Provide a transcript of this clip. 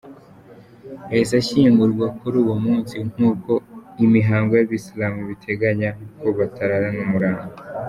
Yahise ashyingurwa kuri uwo munsi nk’uko imihango y’Abayisilamu ibiteganya ko batararana umurambo.